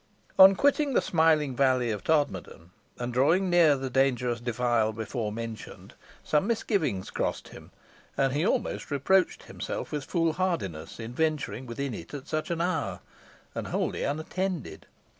On quitting the smiling valley of Todmorden, and drawing near the dangerous defile before mentioned, some misgivings crossed him, and he almost reproached himself with foolhardiness in venturing within it at such an hour, and wholly unattended.